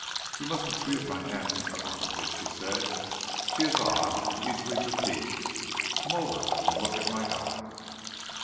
"You must excuse my aunt, Mr. Armitage," she said; "she is odd, and easily fatigued. Come over and look at my album."